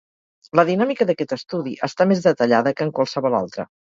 La dinàmica d'aquest estudi està més detallada que en qualsevol altre.